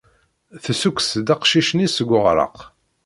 Tessukkes-d aqcic-nni seg uɣraq.